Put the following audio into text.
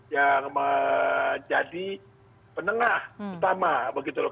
yang menjadi penengah utama begitu loh